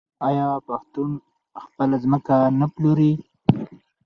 آیا پښتون خپله ځمکه نه پلوري؟